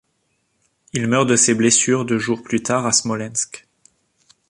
Il meurt de ses blessures deux jours plus tard à Smolensk.